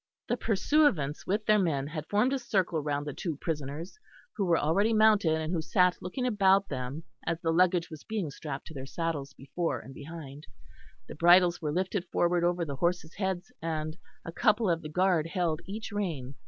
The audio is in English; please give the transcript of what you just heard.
The pursuivants with their men had formed a circle round the two prisoners, who were already mounted and who sat looking about them as the luggage was being strapped to their saddles before and behind; the bridles were lifted forward over the horses' heads, and a couple of the guard held each rein.